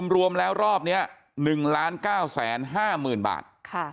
รวมแล้วรอบนี้๑๙๕๐๐๐บาท